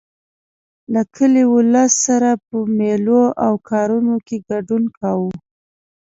له کلي ولس سره په مېلو او کارونو کې ګډون کاوه.